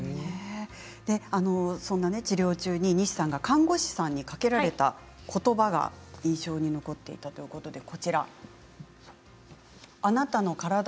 治療中に西さんが看護師さんにかけられた言葉が印象に残っているそうです。